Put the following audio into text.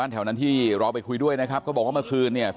อายุ๑๐ปีนะฮะเขาบอกว่าเขาก็เห็นถูกยิงนะครับ